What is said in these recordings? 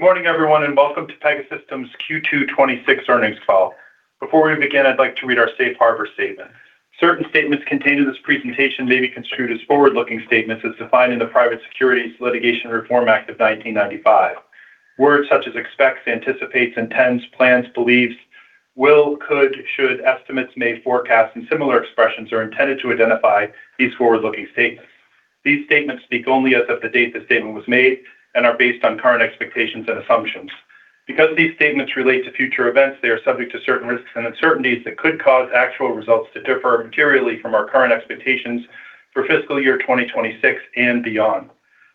Good morning everyone, welcome to Pegasystems Q2 2026 earnings call. Before we begin, I'd like to read our safe harbor statement. Certain statements contained in this presentation may be construed as forward-looking statements as defined in the Private Securities Litigation Reform Act of 1995. Words such as expects, anticipates, intends, plans, believes, will, could, should, estimates, may, forecast, and similar expressions are intended to identify these forward-looking statements. These statements speak only as of the date the statement was made and are based on current expectations and assumptions. Because these statements relate to future events, they are subject to certain risks and uncertainties that could cause actual results to differ materially from our current expectations for fiscal year 2026 and beyond.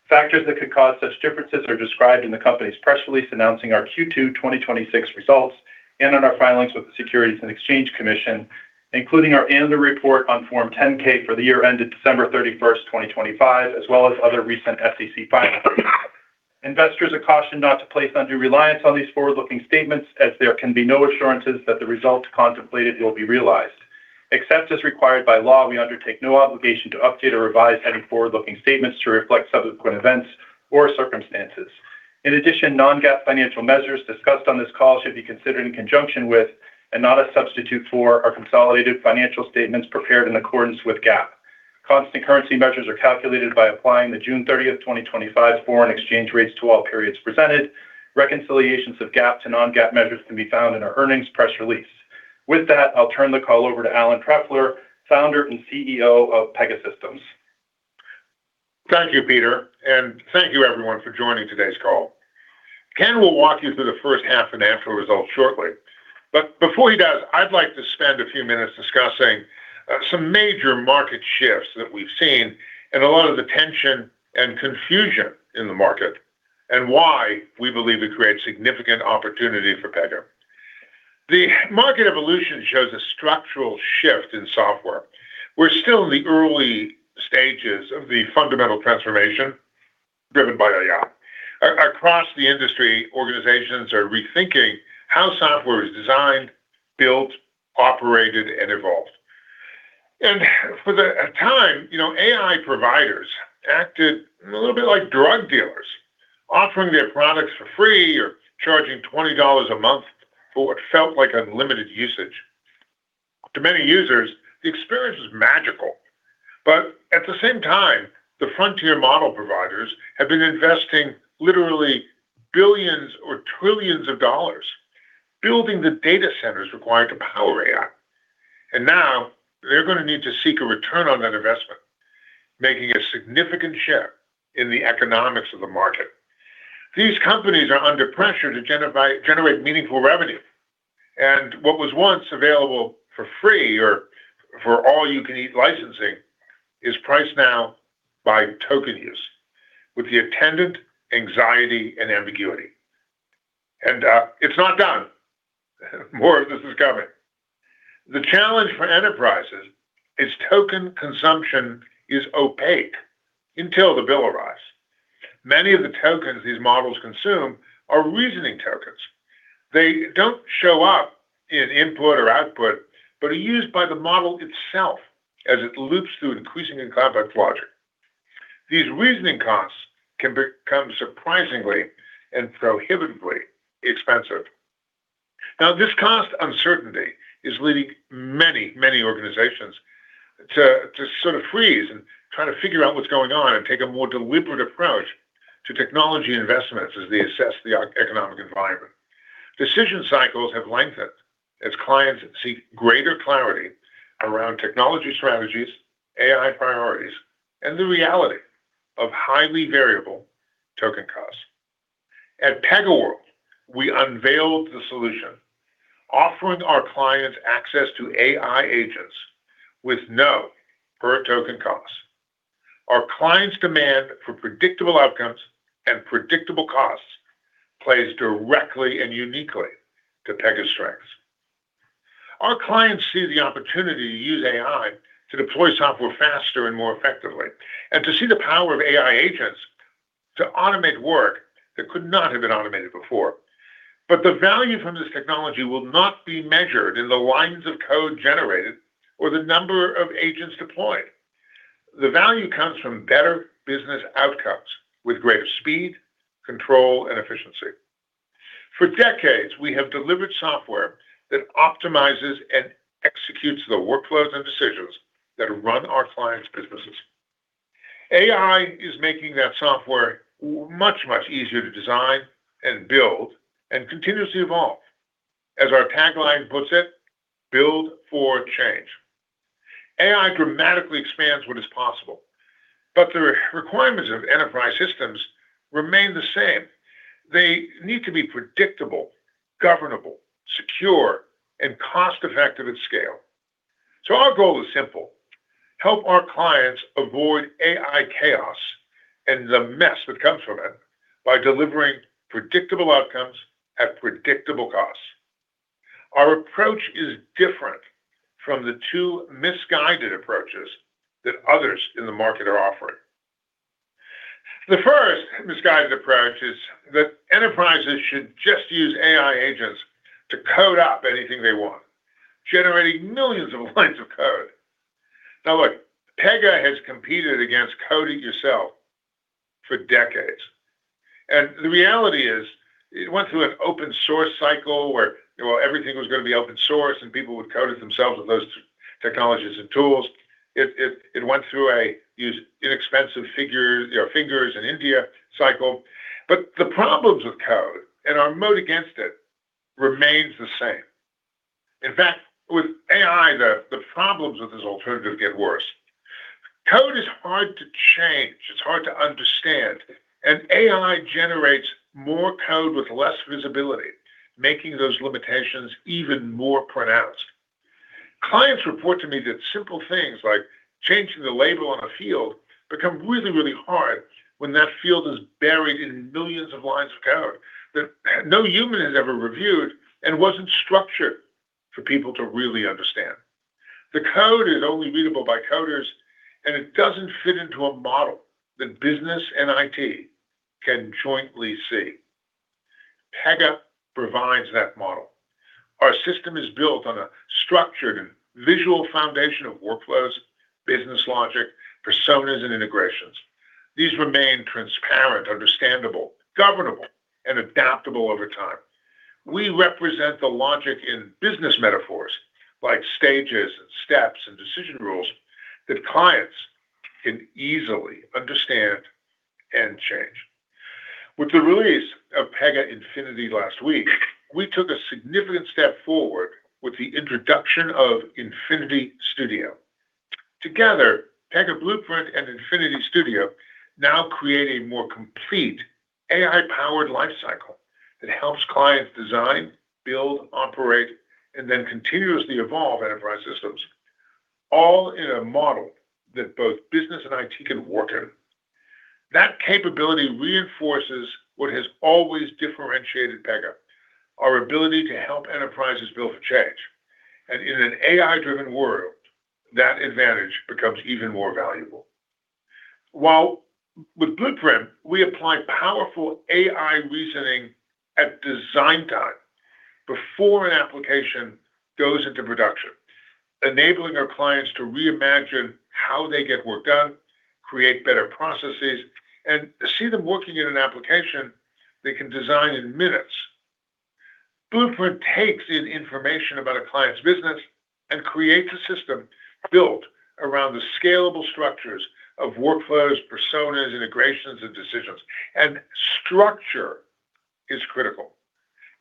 Factors that could cause such differences are described in the company's press release announcing our Q2 2026 results and in our filings with the Securities and Exchange Commission, including our annual report on Form 10-K for the year ended December 31st, 2025, as well as other recent SEC filings. Investors are cautioned not to place undue reliance on these forward-looking statements, as there can be no assurances that the results contemplated will be realized. Except as required by law, we undertake no obligation to update or revise any forward-looking statements to reflect subsequent events or circumstances. In addition, non-GAAP financial measures discussed on this call should be considered in conjunction with, and not a substitute for, our consolidated financial statements prepared in accordance with GAAP. Constant currency measures are calculated by applying the June 30th, 2025 foreign exchange rates to all periods presented. Reconciliations of GAAP to non-GAAP measures can be found in our earnings press release. With that, I'll turn the call over to Alan Trefler, Founder and CEO of Pegasystems. Thank you, Peter, thank you everyone for joining today's call. Ken will walk you through the first half financial results shortly, but before he does, I'd like to spend a few minutes discussing some major market shifts that we've seen and a lot of the tension and confusion in the market, and why we believe it creates significant opportunity for Pega. The market evolution shows a structural shift in software. We're still in the early stages of the fundamental transformation driven by AI. Across the industry, organizations are rethinking how software is designed, built, operated, and evolved. For the time, AI providers acted a little bit like drug dealers, offering their products for free or charging $20 a month for what felt like unlimited usage. To many users, the experience was magical. At the same time, the frontier model providers have been investing literally billions or trillions of dollars building the data centers required to power AI. Now they're going to need to seek a return on that investment, making a significant shift in the economics of the market. These companies are under pressure to generate meaningful revenue, and what was once available for free or for all you can eat licensing is priced now by token use with the attendant anxiety and ambiguity. It's not done. More of this is coming. The challenge for enterprises is token consumption is opaque until the bill arrives. Many of the tokens these models consume are reasoning tokens. They don't show up in input or output, but are used by the model itself as it loops through increasingly complex logic. These reasoning costs can become surprisingly and prohibitively expensive. This cost uncertainty is leading many organizations to sort of freeze and try to figure out what's going on and take a more deliberate approach to technology investments as they assess the economic environment. Decision cycles have lengthened as clients seek greater clarity around technology strategies, AI priorities, and the reality of highly variable token costs. At PegaWorld, we unveiled the solution, offering our clients access to AI agents with no per-token cost. Our clients' demand for predictable outcomes and predictable costs plays directly and uniquely to Pega's strengths. Our clients see the opportunity to use AI to deploy software faster and more effectively, and to see the power of AI agents to automate work that could not have been automated before. The value from this technology will not be measured in the lines of code generated or the number of agents deployed. The value comes from better business outcomes with greater speed, control, and efficiency. For decades, we have delivered software that optimizes and executes the workflows and decisions that run our clients' businesses. AI is making that software much easier to design and build, and continues to evolve. As our tagline puts it, build for change. AI dramatically expands what is possible. But the requirements of enterprise systems remain the same. They need to be predictable, governable, secure, and cost-effective at scale. Our goal is simple. Help our clients avoid AI chaos and the mess that comes from it by delivering predictable outcomes at predictable costs. Our approach is different from the two misguided approaches that others in the market are offering. The first misguided approach is that enterprises should just use AI agents to code up anything they want, generating millions of lines of code. Look Pega has competed against code-it-yourself for decades. The reality is, it went through an open source cycle where everything was going to be open source, and people would code it themselves with those technologies and tools. It went through a use inexpensive fingers in India cycle. But the problems with code, and our moat against it, remains the same. In fact, with AI, the problems with this alternative get worse. Code is hard to change. It's hard to understand. AI generates more code with less visibility, making those limitations even more pronounced. Clients report to me that simple things, like changing the label on a field, become really hard when that field is buried in millions of lines of code that no human has ever reviewed and wasn't structured for people to really understand. The code is only readable by coders, it doesn't fit into a model that business and IT can jointly see. Pega provides that model. Our system is built on a structured and visual foundation of workflows, business logic, personas, integrations. These remain transparent, understandable, governable, adaptable over time. We represent the logic in business metaphors, like stages, steps, decision rules, that clients can easily understand and change. With the release of Pega Infinity last week, we took a significant step forward with the introduction of Pega Infinity Studio. Together, Pega Blueprint and Pega Infinity Studio now create a more complete AI-powered life cycle that helps clients design, build, operate, then continuously evolve enterprise systems, all in a model that both business and IT can work in. That capability reinforces what has always differentiated Pega, our ability to help enterprises build for change. In an AI-driven world, that advantage becomes even more valuable. With Pega Blueprint, we apply powerful AI reasoning at design time, before an application goes into production, enabling our clients to reimagine how they get work done, create better processes, see them working in an application they can design in minutes. Pega Blueprint takes in information about a client's business and creates a system built around the scalable structures of workflows, personas, integrations, decisions. Structure is critical.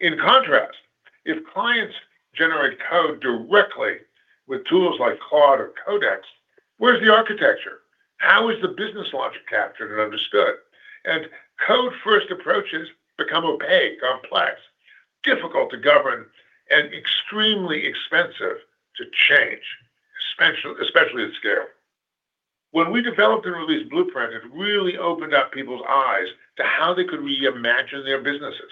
In contrast, if clients generate code directly with tools like Claude or Codex, where is the architecture? How is the business logic captured and understood? Code first approaches become opaque, complex, difficult to govern, extremely expensive to change, especially at scale. When we developed and released Pega Blueprint, it really opened up people's eyes to how they could reimagine their businesses.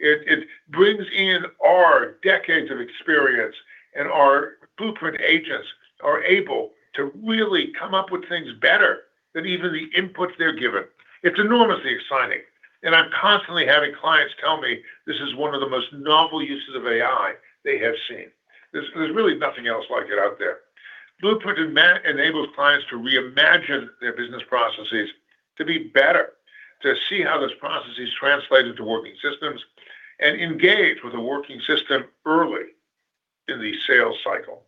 It brings in our decades of experience, our Pega Blueprint agents are able to really come up with things better than even the inputs they are given. It is enormously exciting. I'm constantly having clients tell me this is one of the most novel uses of AI they have seen. There is really nothing else like it out there. Pega Blueprint enables clients to reimagine their business processes to be better, to see how those processes translate into working systems, engage with a working system early in the sales cycle.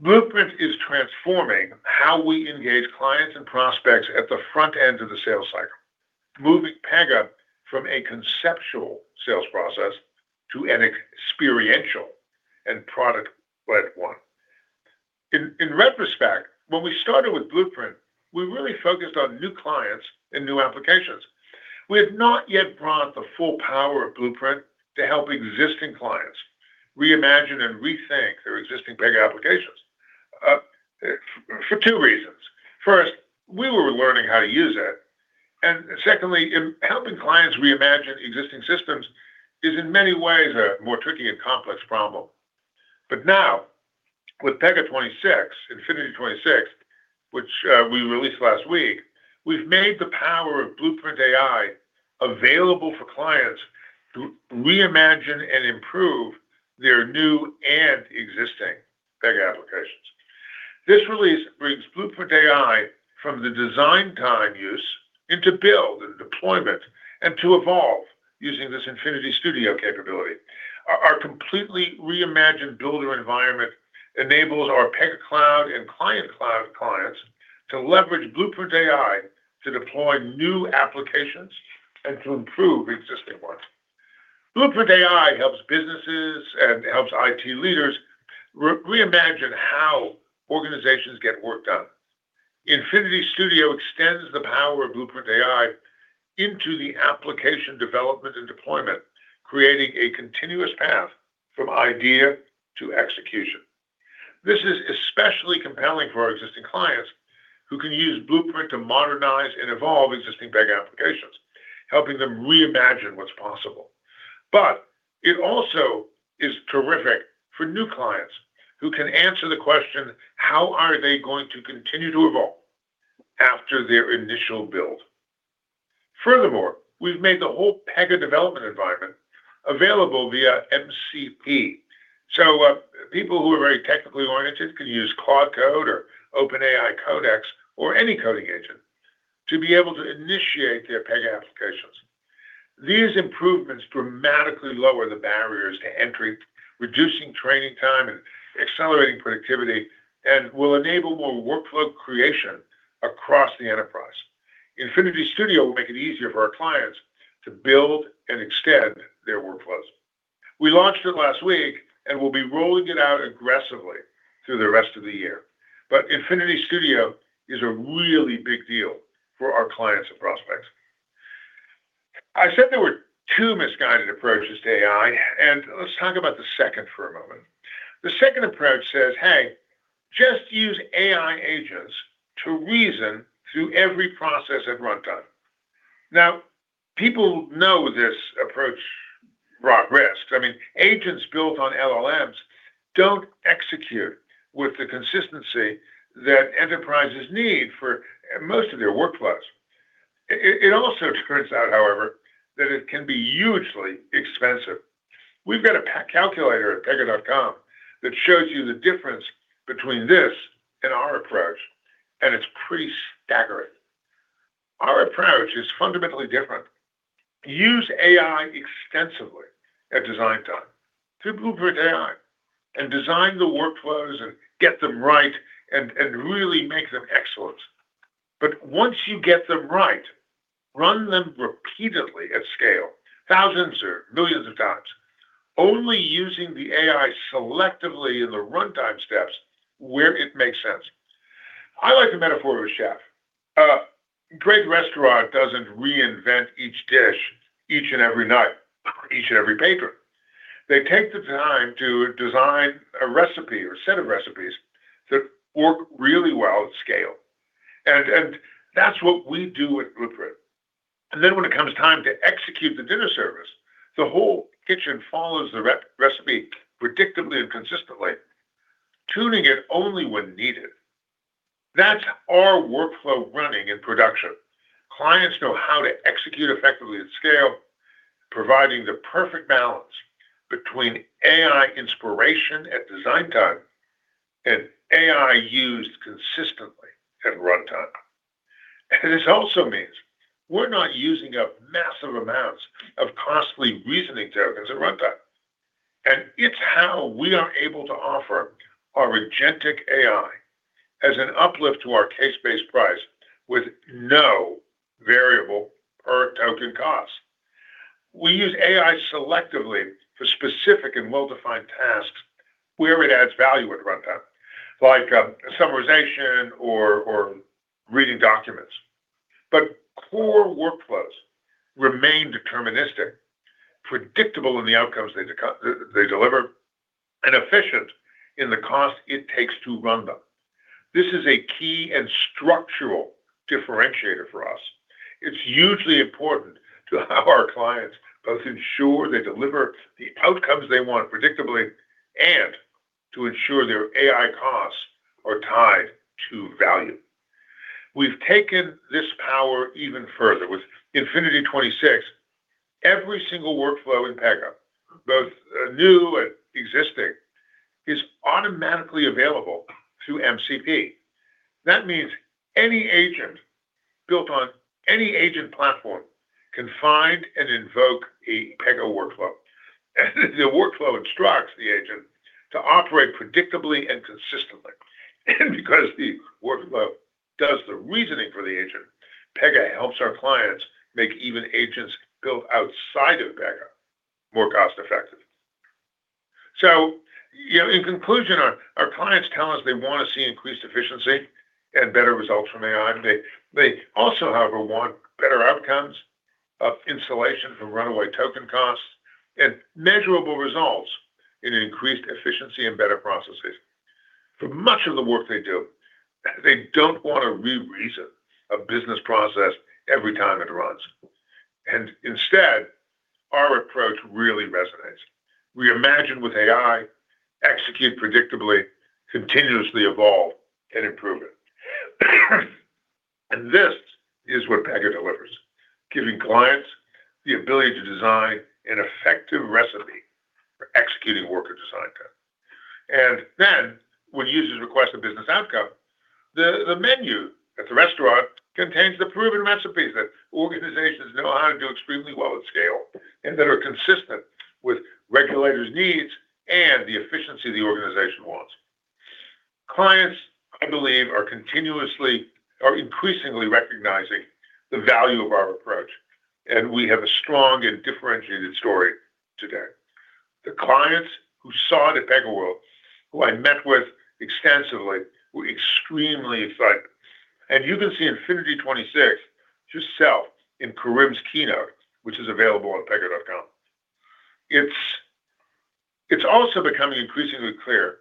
Pega Blueprint is transforming how we engage clients and prospects at the front end of the sales cycle. Moving Pega from a conceptual sales process to an experiential and product-led one. In retrospect, when we started with Pega Blueprint, we really focused on new clients and new applications. We have not yet brought the full power of Pega Blueprint to help existing clients reimagine and rethink their existing Pega applications, for two reasons. First, we were learning how to use it. Secondly, helping clients reimagine existing systems is, in many ways, a more tricky and complex problem. Now, with Pega 2026, Pega Infinity 2026, which we released last week, we've made the power of Pega Blueprint AI available for clients to reimagine and improve their new and existing Pega applications. This release brings Pega Blueprint AI from the design time use into build and deployment, to evolve using this Pega Infinity Studio capability. Our completely reimagined builder environment enables our Pega Cloud and client cloud clients to leverage Pega Blueprint AI to deploy new applications and to improve existing ones. Pega Blueprint AI helps businesses and helps IT leaders reimagine how organizations get work done. Pega Infinity Studio extends the power of Pega Blueprint AI into the application development and deployment, creating a continuous path from idea to execution. This is especially compelling for our existing clients who can use Pega Blueprint to modernize and evolve existing Pega applications, helping them reimagine what is possible. It also is terrific for new clients who can answer the question, how are they going to continue to evolve after their initial build? Furthermore, we've made the whole Pega development environment available via MCP. People who are very technically oriented can use Claude Code or OpenAI Codex or any coding agent to be able to initiate their Pega applications. These improvements dramatically lower the barriers to entry, reducing training time and accelerating productivity, and will enable more workflow creation across the enterprise. Pega Infinity Studio will make it easier for our clients to build and extend their workflows. We launched it last week, and we'll be rolling it out aggressively through the rest of the year. Pega Infinity Studio is a really big deal for our clients and prospects. I said there were two misguided approaches to AI. Let's talk about the second for a moment. The second approach says, hey, just use AI agents to reason through every process at runtime. Now, people know this approach brought risks. Agents built on LLMs don't execute with the consistency that enterprises need for most of their workflows. It also turns out, however, that it can be hugely expensive. We've got a calculator at pega.com that shows you the difference between this and our approach, and it's pretty staggering. Our approach is fundamentally different. Use AI extensively at design time through Pega Blueprint AI, design the workflows and get them right and really make them excellent. Once you get them right, run them repeatedly at scale, thousands or millions of times, only using the AI selectively in the runtime steps where it makes sense. I like the metaphor of a chef. A great restaurant doesn't reinvent each dish each and every night, each and every patron. They take the time to design a recipe or set of recipes that work really well at scale. That's what we do at Pega Blueprint. When it comes time to execute the dinner service, the whole kitchen follows the recipe predictably and consistently, tuning it only when needed. That's our workflow running in production. Clients know how to execute effectively at scale, providing the perfect balance between AI inspiration at design time and AI used consistently at runtime. This also means we're not using up massive amounts of costly reasoning tokens at runtime. It's how we are able to offer our agentic AI as an uplift to our case-based price with no variable or token cost. We use AI selectively for specific and well-defined tasks where it adds value at runtime, like summarization or reading documents. Core workflows remain deterministic, predictable in the outcomes they deliver, and efficient in the cost it takes to run them. This is a key and structural differentiator for us. It's hugely important to help our clients both ensure they deliver the outcomes they want predictably, and to ensure their AI costs are tied to value. We've taken this power even further. With Pega Infinity 2026, every single workflow in Pega, both new and existing, is automatically available through MCP. That means any agent built on any agent platform can find and invoke a Pega workflow. The workflow instructs the agent to operate predictably and consistently. Because the workflow does the reasoning for the agent, Pega helps our clients make even agents built outside of Pega more cost-effective. In conclusion, our clients tell us they want to see increased efficiency and better results from AI. They also, however, want better outcomes, insulation from runaway token costs, and measurable results in increased efficiency and better processes. For much of the work they do, they don't want to re-reason a business process every time it runs. Instead, our approach really resonates. Reimagine with AI, execute predictably, continuously evolve and improve it. This is what Pega delivers, giving clients the ability to design an effective recipe for executing work at design time. Then, when users request a business outcome, the menu at the restaurant contains the proven recipes that organizations know how to do extremely well at scale, and that are consistent with regulators' needs and the efficiency the organization wants. Clients, I believe, are increasingly recognizing the value of our approach, and we have a strong and differentiated story today. The clients who saw it at PegaWorld, who I met with extensively, were extremely excited. You can see Pega Infinity 2026 yourself in Kerim's keynote, which is available on pega.com. It's also becoming increasingly clear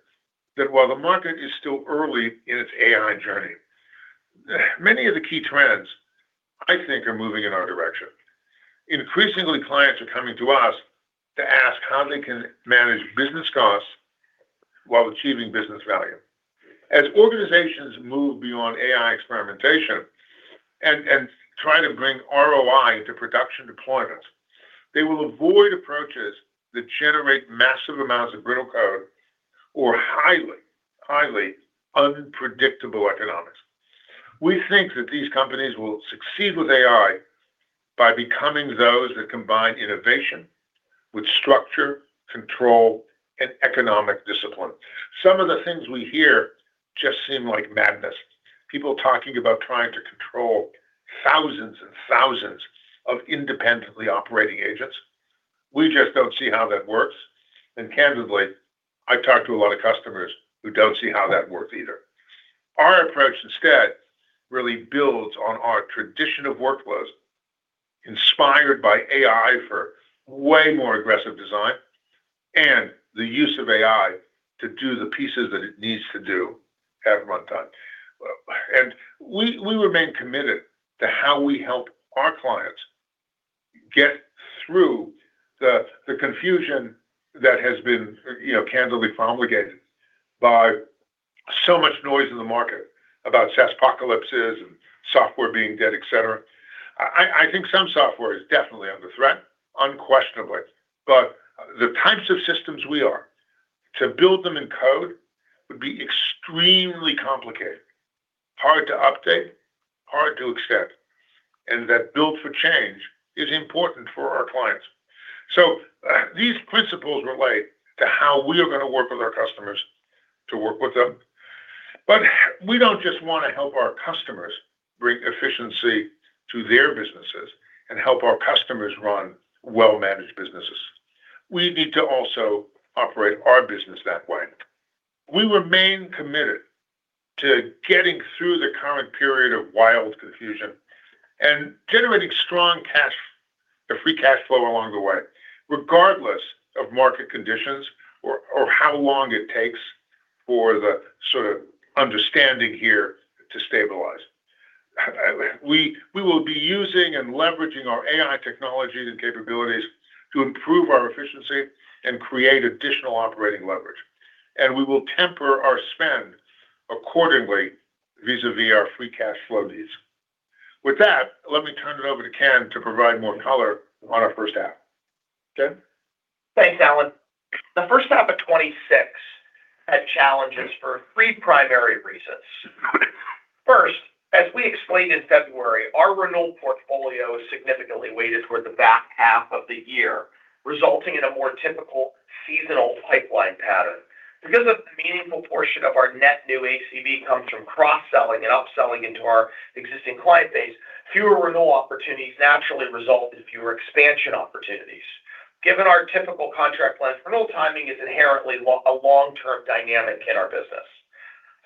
that while the market is still early in its AI journey, many of the key trends, I think, are moving in our direction. Increasingly, clients are coming to us to ask how they can manage business costs while achieving business value. As organizations move beyond AI experimentation and try to bring ROI to production deployments, they will avoid approaches that generate massive amounts of brittle code or highly unpredictable economics. We think that these companies will succeed with AI by becoming those that combine innovation with structure, control, and economic discipline. Some of the things we hear just seem like madness. People talking about trying to control thousands of independently operating agents. We just don't see how that works. Candidly, I've talked to a lot of customers who don't see how that works either. Our approach instead really builds on our tradition of workflows inspired by AI for way more aggressive design and the use of AI to do the pieces that it needs to do at runtime. We remain committed to how we help our clients get through the confusion that has been candidly fomented by so much noise in the market about SaaS Apocalypses and software being dead, et cetera. I think some software is definitely under threat, unquestionably. The types of systems we are, to build them in code would be extremely complicated, hard to update, hard to extend, and that build for change is important for our clients. These principles relate to how we are going to work with our customers, to work with them. We don't just want to help our customers bring efficiency to their businesses and help our customers run well-managed businesses. We need to also operate our business that way. We remain committed to getting through the current period of wild confusion and generating strong cash, the free cash flow along the way, regardless of market conditions or how long it takes for the sort of understanding here to stabilize. We will be using and leveraging our AI technologies and capabilities to improve our efficiency and create additional operating leverage. We will temper our spend accordingly, vis-a-vis our free cash flow needs. With that, let me turn it over to Ken to provide more color on our first half. Ken? Thanks, Alan. The first half of 2026 had challenges for three primary reasons. First, as we explained in February, our renewal portfolio is significantly weighted toward the back half of the year, resulting in a more typical seasonal pipeline pattern. Because a meaningful portion of our Net New ACV comes from cross-selling and upselling into our existing client base, fewer renewal opportunities naturally result in fewer expansion opportunities. Given our typical contract length, renewal timing is inherently a long-term dynamic in our business.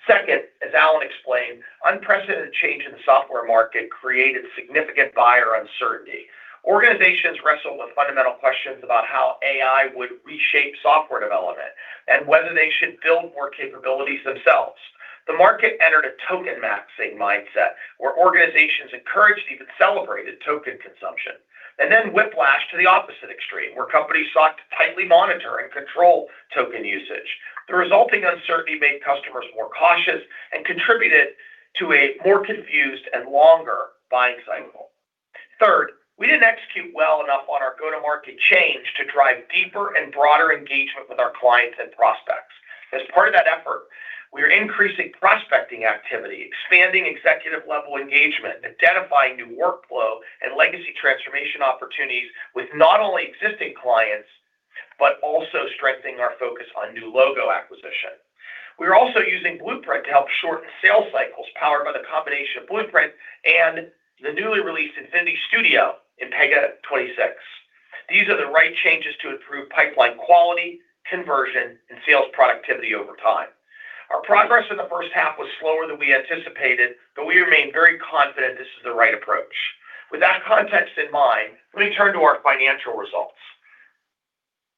Second, as Alan explained, unprecedented change in the software market created significant buyer uncertainty. Organizations wrestle with fundamental questions about how AI would reshape software development and whether they should build more capabilities themselves. The market entered a token-maxing mindset where organizations encouraged, even celebrated token consumption, then whiplash to the opposite extreme, where companies sought to tightly monitor and control token usage. The resulting uncertainty made customers more cautious and contributed to a more confused and longer buying cycle. Third, we didn't execute well enough on our go-to-market change to drive deeper and broader engagement with our clients and prospects. As part of that effort, we are increasing prospecting activity, expanding executive-level engagement, identifying new workflow and legacy transformation opportunities with not only existing clients, but also strengthening our focus on new logo acquisition. We are also using Pega Blueprint to help shorten sales cycles powered by the combination of Pega Blueprint and the newly released Pega Infinity Studio in Pega 2026. These are the right changes to improve pipeline quality, conversion, and sales productivity over time. Our progress in the first half was slower than we anticipated. We remain very confident this is the right approach. With that context in mind, let me turn to our financial results.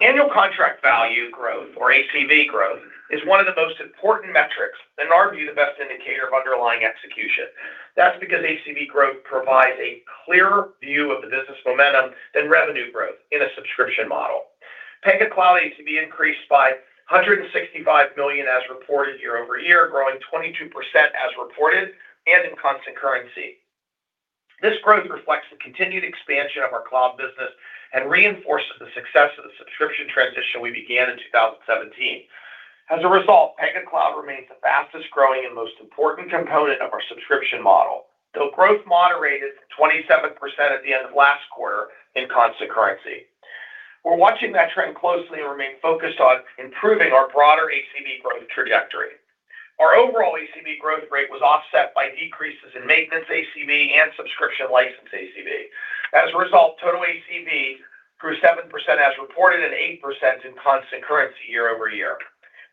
Annual contract value growth, or ACV growth, is one of the most important metrics and arguably the best indicator of underlying execution. That's because ACV growth provides a clearer view of the business momentum than revenue growth in a subscription model. Pega Cloud ACV increased by $165 million as reported year-over-year, growing 22% as reported and in constant currency. This growth reflects the continued expansion of our cloud business and reinforces the success of the subscription transition we began in 2017. As a result, Pega Cloud remains the fastest-growing and most important component of our subscription model, though growth moderated to 27% at the end of last quarter in constant currency. We're watching that trend closely and remain focused on improving our broader ACV growth trajectory. Our overall ACV growth rate was offset by decreases in maintenance ACV and subscription license ACV. As a result, total ACV grew 7% as reported and 8% in constant currency year-over-year.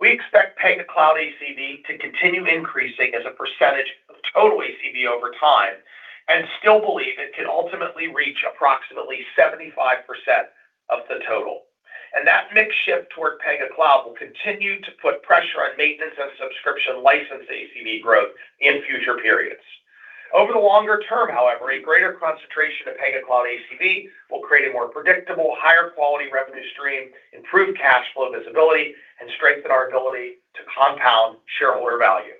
We expect Pega Cloud ACV to continue increasing as a percentage of total ACV over time and still believe it can ultimately reach approximately 75% of the total. That mix shift toward Pega Cloud will continue to put pressure on maintenance and subscription license ACV growth in future periods. Over the longer term, however, a greater concentration of Pega Cloud ACV will create a more predictable, higher quality revenue stream, improve cash flow visibility, and strengthen our ability to compound shareholder value.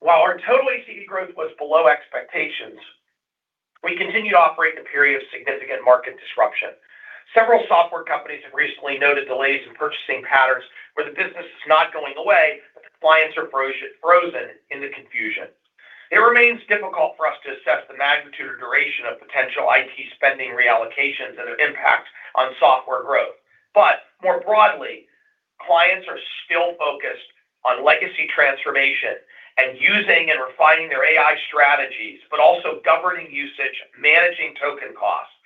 While our total ACV growth was below expectations, we continue to operate in a period of significant market disruption. Several software companies have recently noted delays in purchasing patterns where the business is not going away, but the clients are frozen in the confusion. It remains difficult for us to assess the magnitude or duration of potential IT spending reallocations and impact on software growth. More broadly, clients are still focused on legacy transformation and using and refining their AI strategies, but also governing usage, managing token costs.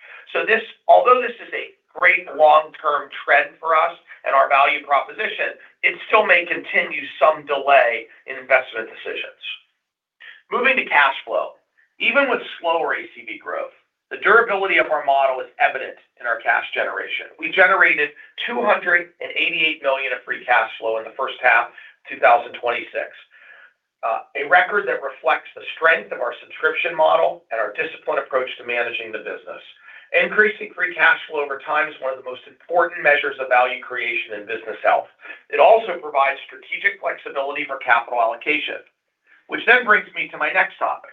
Although this is a great long-term trend for us and our value proposition, it still may continue some delay in investment decisions. Moving to cash flow. Even with slower ACV growth, the durability of our model is evident in our cash generation. We generated $288 million of free cash flow in the first half of 2026. A record that reflects the strength of our subscription model and our disciplined approach to managing the business. Increasing free cash flow over time is one of the most important measures of value creation and business health. It also provides strategic flexibility for capital allocation. Which then brings me to my next topic.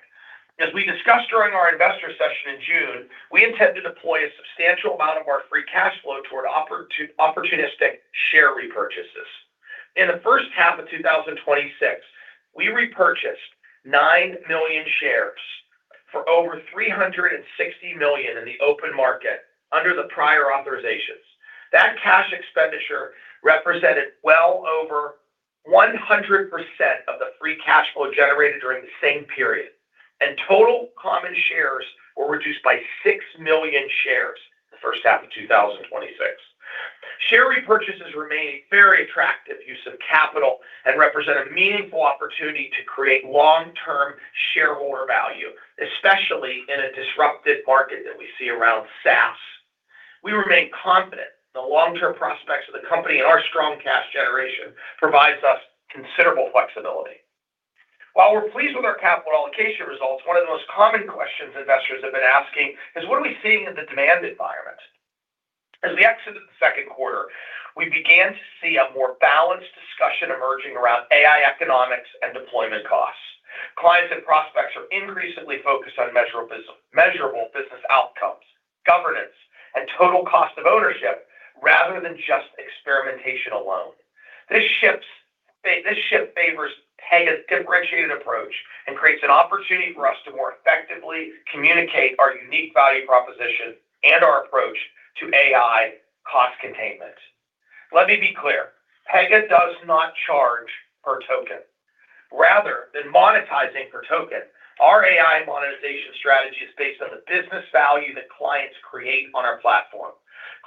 As we discussed during our investor session in June, we intend to deploy a substantial amount of our free cash flow toward opportunistic share repurchases. In the first half of 2026, we repurchased nine million shares for over $360 million in the open market under the prior authorizations. That cash expenditure represented well over 100% of the free cash flow generated during the same period, and total common shares were reduced by six million shares the first half of 2026. Share repurchases remain a very attractive use of capital and represent a meaningful opportunity to create long-term shareholder value, especially in a disrupted market that we see around SaaS. We remain confident in the long-term prospects of the company, and our strong cash generation provides us considerable flexibility. While we're pleased with our capital allocation results, one of the most common questions investors have been asking is, what are we seeing in the demand environment? As we exited the second quarter, we began to see a more balanced discussion emerging around AI economics and deployment costs. Clients and prospects are increasingly focused on measurable business outcomes, governance, and total cost of ownership rather than just experimentation alone. This shift favors Pega's differentiated approach and creates an opportunity for us to more effectively communicate our unique value proposition and our approach to AI cost containment. Let me be clear, Pega does not charge per token. Rather than monetizing per token, our AI monetization strategy is based on the business value that clients create on our platform.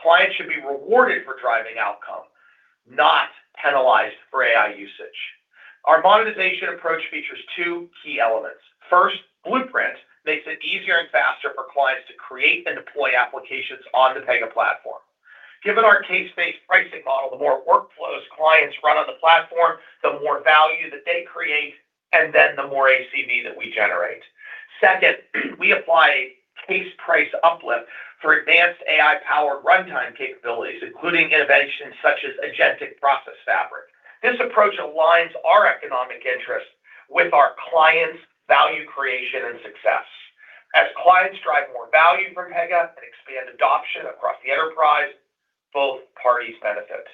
Clients should be rewarded for driving outcome, not penalized for AI usage. Our monetization approach features two key elements. First, Pega Blueprint makes it easier and faster for clients to create and deploy applications on the Pega platform. Given our case-based pricing model, the more workflows clients run on the platform, the more value that they create, and then the more ACV that we generate. Second, we apply a case price uplift for advanced AI-powered runtime capabilities, including innovations such as Agentic Process Fabric. This approach aligns our economic interests with our clients' value creation and success. As clients drive more value from Pega and expand adoption across the enterprise, both parties benefit.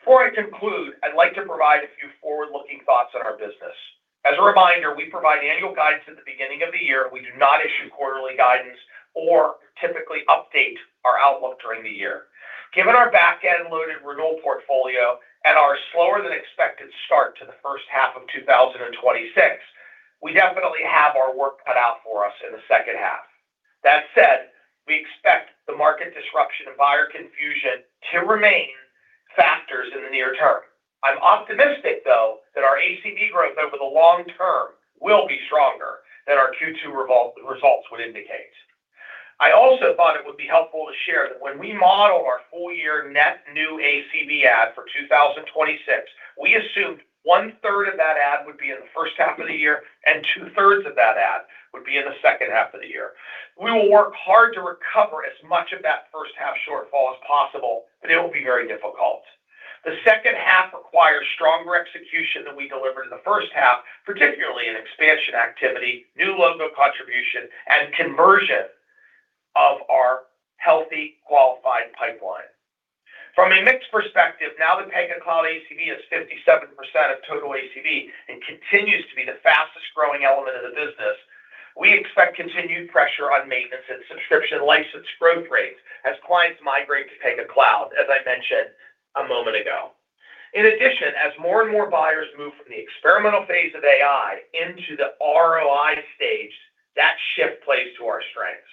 Before I conclude, I'd like to provide a few forward-looking thoughts on our business. As a reminder, we provide annual guidance at the beginning of the year. We do not issue quarterly guidance or typically update our outlook during the year. Given our back-end-loaded renewal portfolio and our slower than expected start to the first half of 2026, we definitely have our work cut out for us in the second half. That said, we expect the market disruption and buyer confusion to remain factors in the near term. I'm optimistic, though, that our ACV growth over the long term will be stronger than our Q2 results would indicate. I also thought it would be helpful to share that when we model our full year Net New ACV ad for 2026, we assumed one-third of that ad would be in the first half of the year and two-thirds of that ad would be in the second half of the year. We will work hard to recover as much of that first half shortfall as possible. It will be very difficult. The second half requires stronger execution than we delivered in the first half, particularly in expansion activity, new logo contribution, and conversion of our healthy, qualified pipeline. From a mix perspective, now that Pega Cloud ACV is 57% of total ACV and continues to be the fastest growing element of the business, we expect continued pressure on maintenance and subscription license growth rates as clients migrate to Pega Cloud, as I mentioned a moment ago. In addition, as more and more buyers move from the experimental phase of AI into the ROI stage, that shift plays to our strengths.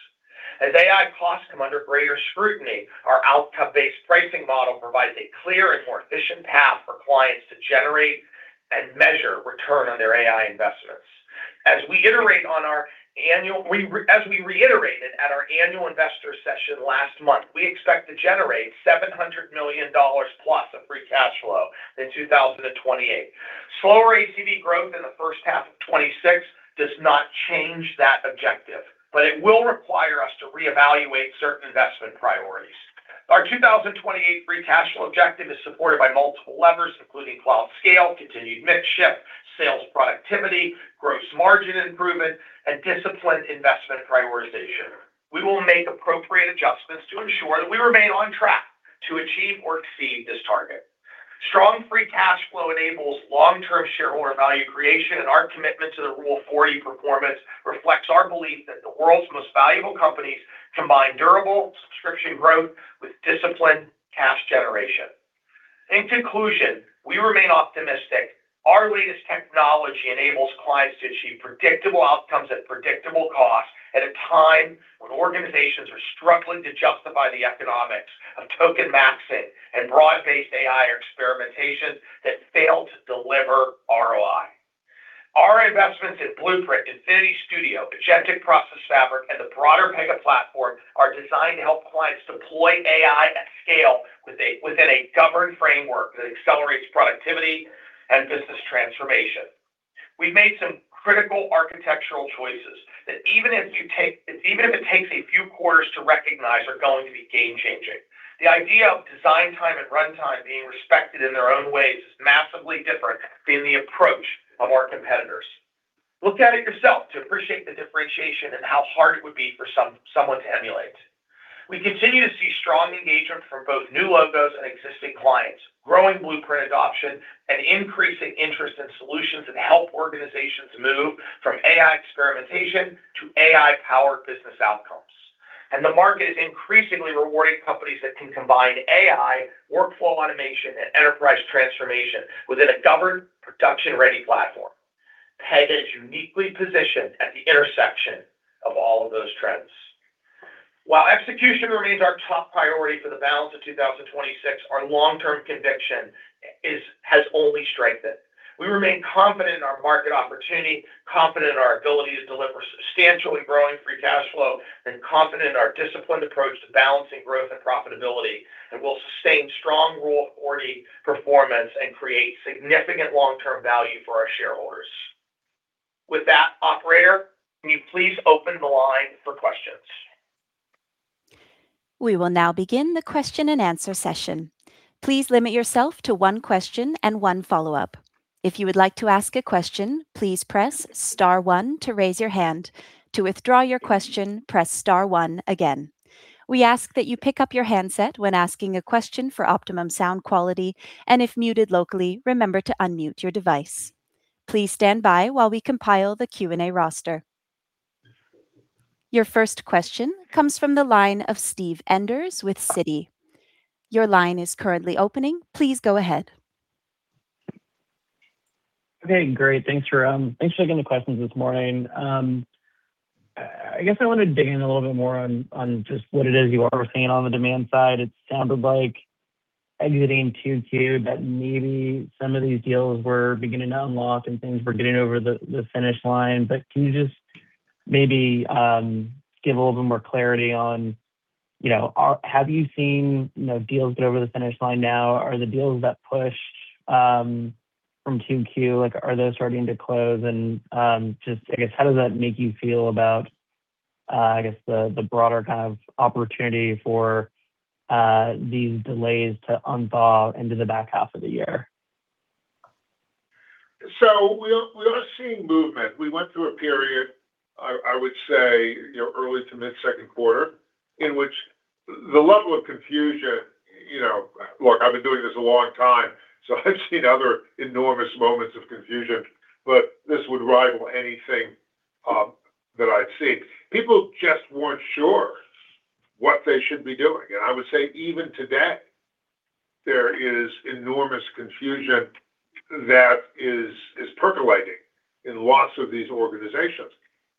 As AI costs come under greater scrutiny, our outcome-based pricing model provides a clear and more efficient path for clients to generate and measure return on their AI investments. As we reiterated at our annual investor session last month, we expect to generate $700 million+ of free cash flow in 2028. Slower ACV growth in the first half of 2026 does not change that objective. It will require us to reevaluate certain investment priorities. Our 2028 free cash flow objective is supported by multiple levers, including cloud scale, continued mix shift, sales productivity, gross margin improvement, and disciplined investment prioritization. We will make appropriate adjustments to ensure that we remain on track to achieve or exceed this target. Strong free cash flow enables long-term shareholder value creation. Our commitment to the Rule of 40 performance reflects our belief that the world's most valuable companies combine durable subscription growth with disciplined cash generation. In conclusion, we remain optimistic. Our latest technology enables clients to achieve predictable outcomes at predictable costs at a time when organizations are struggling to justify the economics of token maxing and broad-based AI experimentation that failed to deliver ROI. Our investments in Pega Blueprint, Pega Infinity Studio, Agentic Process Fabric, and the broader Pega platform are designed to help clients deploy AI at scale within a governed framework that accelerates productivity and business transformation. We made some critical architectural choices that even if it takes a few quarters to recognize, are going to be game-changing. The idea of design time and runtime being respected in their own ways is massively different than the approach of our competitors. Look at it yourself to appreciate the differentiation and how hard it would be for someone to emulate. We continue to see strong engagement from both new logos and existing clients, growing Pega Blueprint adoption, and increasing interest in solutions that help organizations move from AI experimentation to AI-powered business outcomes. The market is increasingly rewarding companies that can combine AI, workflow automation, and enterprise transformation within a governed, production-ready platform. Pega is uniquely positioned at the intersection of all of those trends. While execution remains our top priority for the balance of 2026, our long-term conviction has only strengthened. We remain confident in our market opportunity, confident in our ability to deliver substantially growing free cash flow, and confident in our disciplined approach to balancing growth and profitability, and will sustain strong Rule of 40 performance and create significant long-term value for our shareholders. With that, operator, can you please open the line for questions? We will now begin the question and answer session. Please limit yourself to one question and one follow-up. If you would like to ask a question, please press star one to raise your hand. To withdraw your question, press star one again. We ask that you pick up your handset when asking a question for optimum sound quality, and if muted locally, remember to unmute your device. Please stand by while we compile the Q&A roster. Your first question comes from the line of Steve Enders with Citi. Your line is currently opening. Please go ahead. Okay, great. Thanks for taking the questions this morning. I guess I want to dig in a little bit more on just what it is you are seeing on the demand side. It sounded like exiting Q2 that maybe some of these deals were beginning to unlock and things were getting over the finish line. Can you just maybe give a little bit more clarity on have you seen deals get over the finish line now? Are the deals that push from Q2, are those starting to close? I guess, how does that make you feel about, I guess, the broader kind of opportunity for these delays to unthaw into the back half of the year? We are seeing movement. We went through a period, I would say, early to mid-second quarter, in which the level of confusion, look, I've been doing this a long time, so I've seen other enormous moments of confusion, but this would rival anything that I've seen. People just weren't sure what they should be doing. I would say even today, there is enormous confusion that is percolating in lots of these organizations.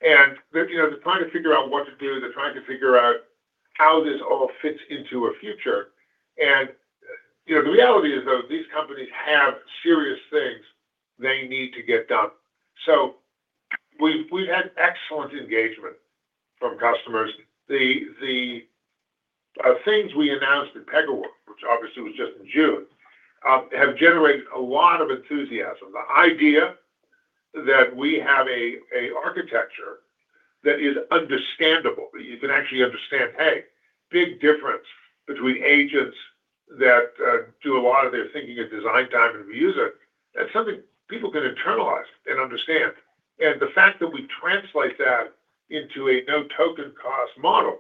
They're trying to figure out what to do. They're trying to figure out how this all fits into a future. The reality is, though, these companies have serious things they need to get done. We've had excellent engagement from customers. The things we announced at PegaWorld, which obviously was just in June, have generated a lot of enthusiasm. The idea that we have a architecture that is understandable, that you can actually understand, hey, big difference between agents that do a lot of their thinking at design time and reuser. That's something people can internalize and understand. The fact that we translate that into a no-token-cost model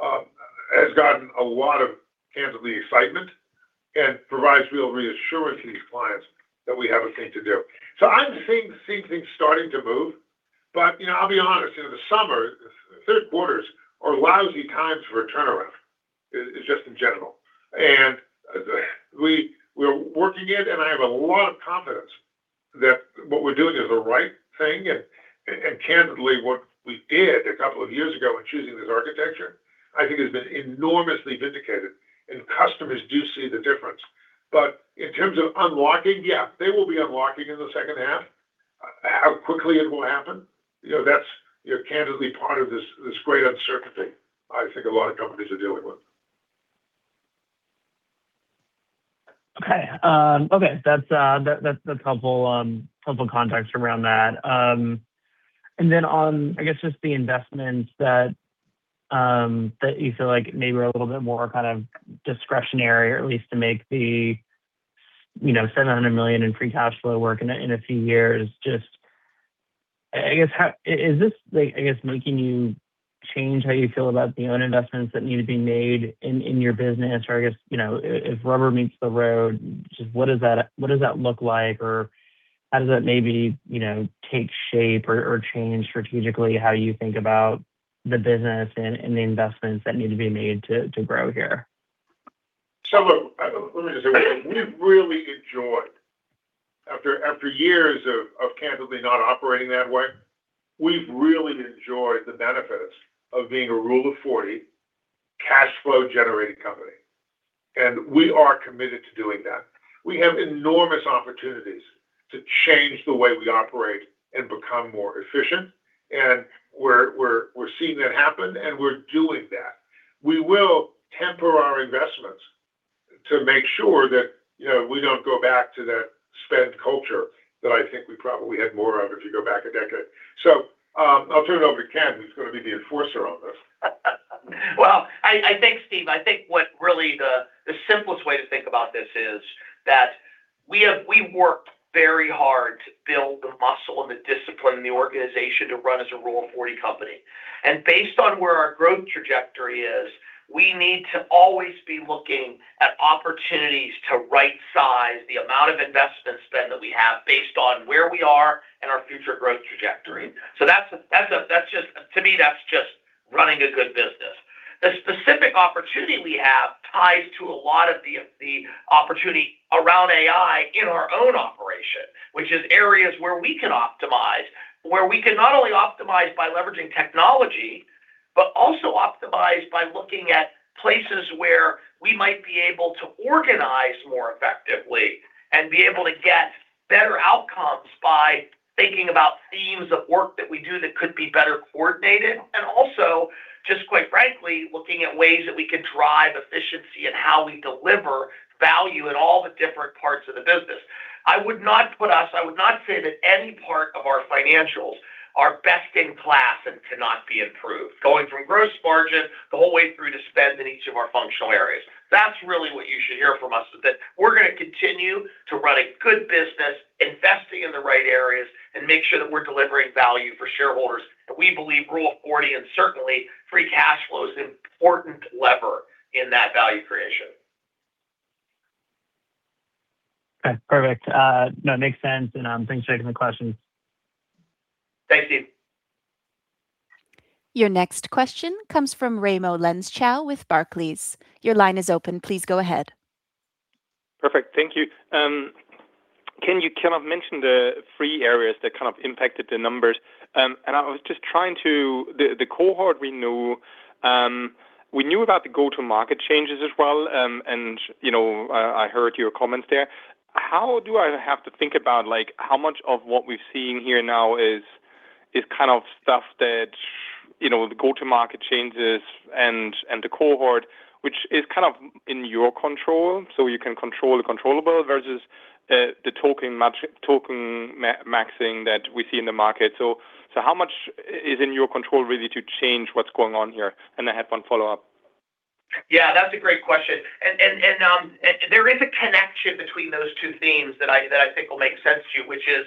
has gotten a lot of, candidly, excitement and provides real reassurance to these clients that we have a thing to do. I'm seeing things starting to move. I'll be honest, the summer, third quarters, are lousy times for turnaround, just in general. We're working it, and I have a lot of confidence that what we're doing is the right thing. Candidly, what we did a couple of years ago in choosing this architecture, I think has been enormously vindicated, and customers do see the difference In terms of unlocking, yeah, they will be unlocking in the second half. How quickly it will happen, that's candidly part of this great uncertainty I think a lot of companies are dealing with. Okay. That's helpful context around that. Then on, I guess, just the investments that you feel like maybe are a little bit more kind of discretionary, or at least to make the $700 million in free cash flow work in a few years. Is this making you change how you feel about the own investments that need to be made in your business? If rubber meets the road, just what does that look like? How does that maybe take shape or change strategically how you think about the business and the investments that need to be made to grow here? Look, let me just say one thing. After years of candidly not operating that way, we've really enjoyed the benefits of being a Rule of 40 cash flow generating company, and we are committed to doing that. We have enormous opportunities to change the way we operate and become more efficient, and we're seeing that happen, and we're doing that. We will temper our investments to make sure that we don't go back to that spend culture that I think we probably had more of if you go back a decade. I'll turn it over to Ken, who's going to be the enforcer on this. Well, thanks, Steve. I think what really the simplest way to think about this is that we worked very hard to build the muscle and the discipline in the organization to run as a Rule of 40 company. Based on where our growth trajectory is, we need to always be looking at opportunities to rightsize the amount of investment spend that we have based on where we are and our future growth trajectory. To me, that's just running a good business. The specific opportunity we have ties to a lot of the opportunity around AI in our own operation, which is areas where we can optimize, where we can not only optimize by leveraging technology, but also optimize by looking at places where we might be able to organize more effectively. Be able to get better outcomes by thinking about themes of work that we do that could be better coordinated, and also, just quite frankly, looking at ways that we could drive efficiency in how we deliver value in all the different parts of the business. I would not say that any part of our financials are best in class and cannot be improved, going from gross margin the whole way through to spend in each of our functional areas. That's really what you should hear from us, is that we're going to continue to run a good business, investing in the right areas, and make sure that we're delivering value for shareholders. We believe Rule of 40 and certainly free cash flow is an important lever in that value creation. Okay. Perfect. No, it makes sense, and thanks for taking the question. Thanks, Steve. Your next question comes from Raimo Lenschow with Barclays. Your line is open. Please go ahead. Perfect. Thank you. Ken, you kind of mentioned the three areas that kind of impacted the numbers. The cohort we knew. We knew about the go-to market changes as well, and I heard your comments there. How do I have to think about how much of what we've seen here now is kind of stuff that the go-to market changes and the cohort, which is kind of in your control, so you can control the controllable versus the token maxing that we see in the market. How much is in your control really to change what's going on here? I have one follow-up. Yeah, that's a great question. There is a connection between those two themes that I think will make sense to you, which is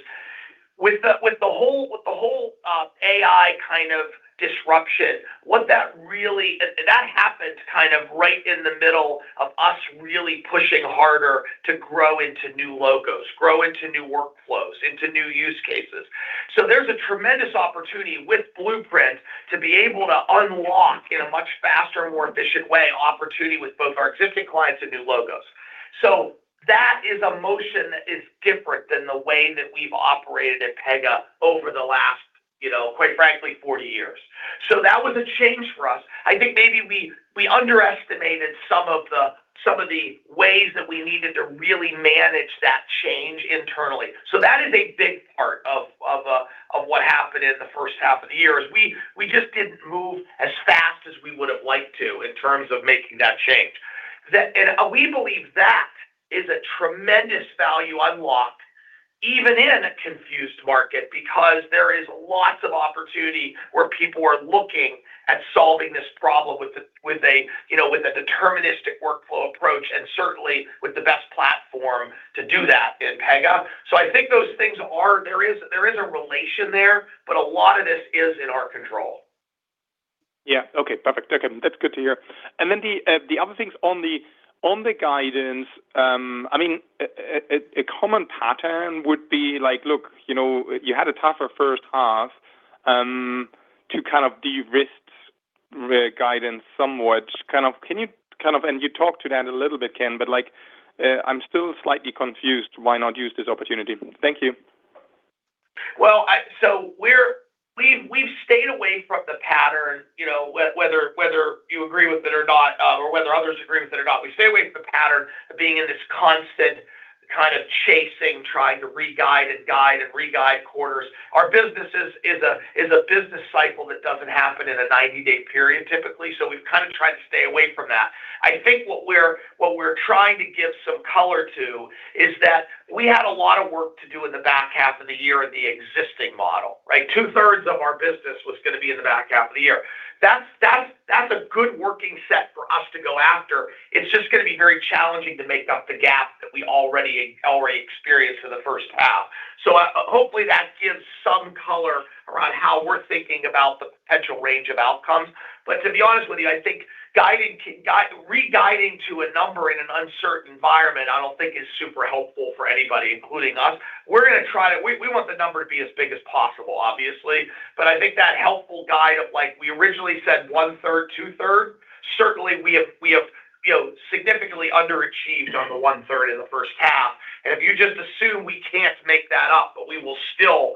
with the whole AI kind of disruption, that happened kind of right in the middle of us really pushing harder to grow into new logos, grow into new workflows, into new use cases. There's a tremendous opportunity with Pega Blueprint to be able to unlock, in a much faster, more efficient way, opportunity with both our existing clients and new logos. That is a motion that is different than the way that we've operated at Pega over the last, quite frankly, 40 years. That was a change for us. I think maybe we underestimated some of the ways that we needed to really manage that change internally. That is a big part of what happened in the first half of the year, is we just didn't move as fast as we would have liked to in terms of making that change. We believe that is a tremendous value unlocked, even in a confused market, because there is lots of opportunity where people are looking at solving this problem with a deterministic workflow approach and certainly with the best platform to do that in Pega. I think there is a relation there, but a lot of this is in our control. Yeah. Okay, perfect. That's good to hear. The other thing on the guidance, a common pattern would be like, look, you had a tougher first half to kind of de-risk the guidance somewhat. You talked to that a little bit, Ken, but I'm still slightly confused why not use this opportunity. Thank you. We've stayed away from the pattern, whether you agree with it or not, or whether others agree with it or not. We stay away from the pattern of being in this constant chasing, trying to re-guide and guide and re-guide quarters. Our business is a business cycle that doesn't happen in a 90-day period, typically. We've kind of tried to stay away from that. I think what we're trying to give some color to is that we had a lot of work to do in the back half of the year in the existing model, right? Two-thirds of our business was going to be in the back half of the year. That's a good working set for us to go after. It's just going to be very challenging to make up the gap that we already experienced in the first half. Hopefully that gives some color around how we're thinking about the potential range of outcomes. To be honest with you, I think re-guiding to a number in an uncertain environment, I don't think is super helpful for anybody, including us. We want the number to be as big as possible, obviously. I think that helpful guide of like we originally said one third, two third. Certainly, we have significantly underachieved on the one third in the first half. If you just assume we can't make that up, but we will still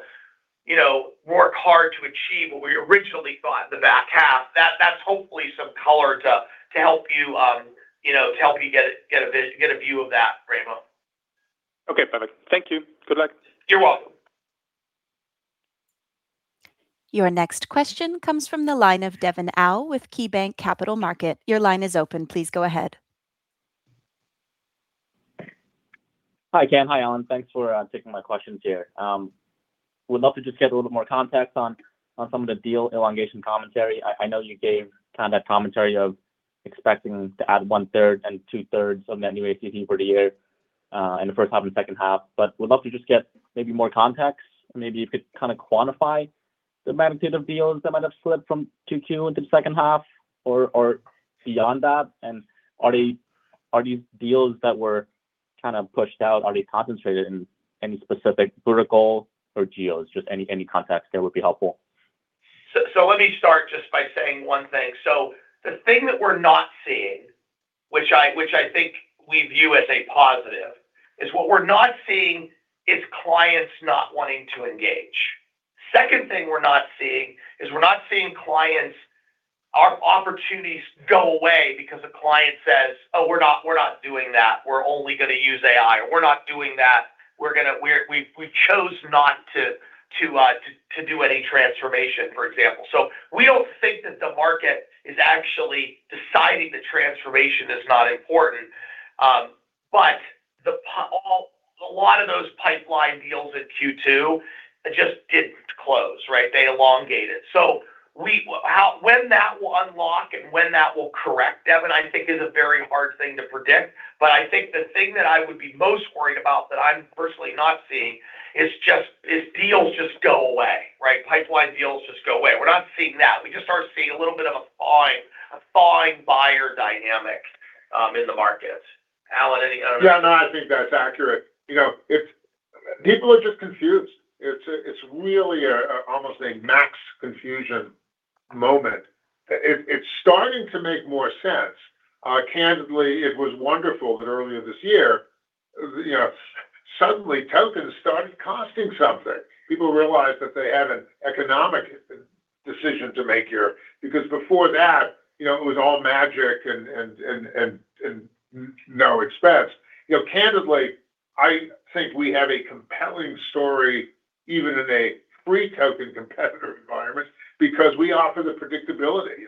work hard to achieve what we originally thought in the back half, that's hopefully some color to help you get a view of that, Raimo. Okay, perfect. Thank you. Good luck. You're welcome. Your next question comes from the line of Devin Au with KeyBanc Capital Markets. Your line is open. Please go ahead. Hi, Ken. Hi, Alan. Thanks for taking my questions here. Would love to just get a little more context on some of the deal elongation commentary. I know you gave kind of that commentary of expecting to add 1/3 and two thirds of Net New ACV for the year, in the first half and second half, but would love to just get maybe more context. Maybe you could kind of quantify the magnitude of deals that might have slipped from Q2 into the second half or beyond that. Are these deals that were kind of pushed out, are they concentrated in any specific vertical or geos? Just any context there would be helpful. Let me start just by saying one thing. The thing that we're not seeing, which I think we view as a positive, is what we're not seeing is clients not wanting to engage. Second thing we're not seeing is we're not seeing opportunities go away because a client says, oh, we're not doing that. We're only going to use AI. We're not doing that. We chose not to do any transformation, for example. We don't think that the market is actually deciding that transformation is not important. A lot of those pipeline deals in Q2 just didn't close, right? They elongated. When that will unlock and when that will correct, Devin, I think is a very hard thing to predict. I think the thing that I would be most worried about that I'm personally not seeing is deals just go away, right? Pipeline deals just go away. We're not seeing that. We start seeing a little bit of a thawing buyer dynamic in the market. Alan, any other- No, I think that's accurate. People are just confused. It's really almost a max confusion moment. It's starting to make more sense. Candidly, it was wonderful that earlier this year, suddenly tokens started costing something. People realized that they had an economic decision to make here, because before that, it was all magic and no expense. Candidly, I think we have a compelling story even in a free token competitive environment because we offer the predictability.